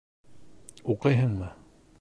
Уҡыйһыңмы?